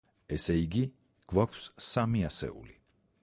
ესე იგი, გვაქვს სამი ასეული.